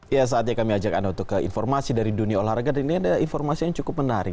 ya saatnya kami ajak anda untuk ke informasi dari dunia olahraga dan ini ada informasi yang cukup menarik